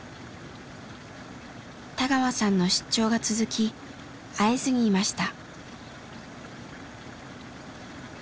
田川さんの出張が続き会えずにいました。